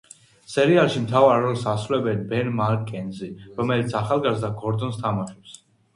სერიალში მთავარ როლს ასრულებს ბენ მაკ-კენზი, რომელიც ახალგაზრდა გორდონს თამაშობს.